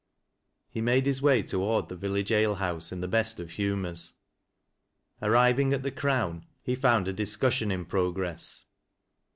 He made his way toward the village ale house in the best of humors. Arriving at The Crown, he found a dis cussion in progress.